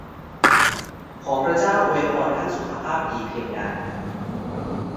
ขอพระเจ้าอวยพรท่านสุขภาพดีเพียงใด !